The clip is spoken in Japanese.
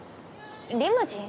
リムジン？